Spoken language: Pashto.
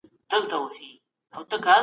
تر پایه به ټول زده کوونکي فارغ سوي وي.